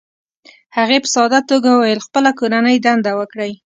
هغې په ساده توګه وویل: "خپله کورنۍ دنده وکړئ،